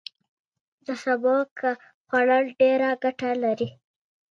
د احمد شونډې تورې شوې دي.